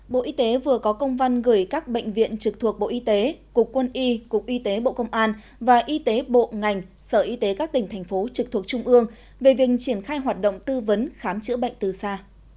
bộ y tế vừa có công văn gửi các bệnh viện trực thuộc bộ y tế cục quân y cục y tế bộ công an và y tế bộ ngành sở y tế các tỉnh thành phố trực thuộc trung ương về việc triển khai hoạt động tư vấn khám chữa bệnh từ xa